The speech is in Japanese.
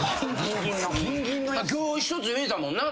今日一つ言えたもんな。